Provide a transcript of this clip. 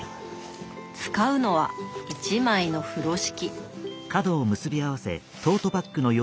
使うのは一枚の風呂敷。